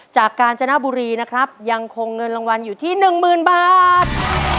กาญจนบุรีนะครับยังคงเงินรางวัลอยู่ที่หนึ่งหมื่นบาท